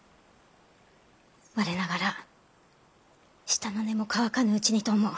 我ながら舌の根も乾かぬうちにと思う。